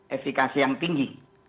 efekasi yang tinggi